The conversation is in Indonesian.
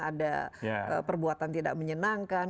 ada perbuatan tidak menyenangkan